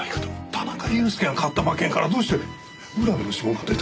田中裕介が買った馬券からどうして浦部の指紋が出てくるんですか？